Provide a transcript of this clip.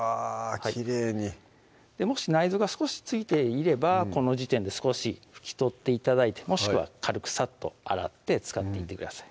きれいにもし内臓が少し付いていればこの時点で少し拭き取って頂いてもしくは軽くさっと洗って使っていってください